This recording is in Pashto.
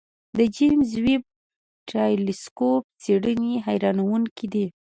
د جیمز ویب ټېلسکوپ څېړنې حیرانوونکې دي.